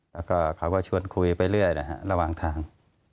แล้วก็เขาก็ชวนคุยไปเรื่อยนะฮะระหว่างทาง